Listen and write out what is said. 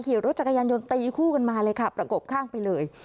ขี่รถจักรยานยนต์ตีคู่กันมาเลยค่ะประกบข้างไปเลย